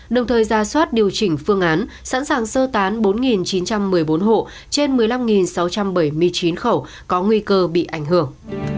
đồng thời ra soát điều chỉnh phương án sẵn sàng sơ tán bốn chín trăm một mươi bốn hộ trên một mươi năm sáu trăm bảy mươi chín khẩu có nguy cơ bị ảnh hưởng